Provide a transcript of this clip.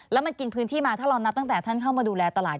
แล้วมันกินพื้นที่มาถ้าเรานับตั้งแต่ท่านเข้ามาดูแลตลาด